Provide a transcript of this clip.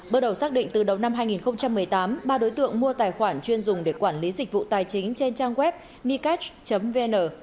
bước đầu xác định từ đầu năm hai nghìn một mươi tám ba đối tượng mua tài khoản chuyên dùng để quản lý dịch vụ tài chính trên trang web micach vn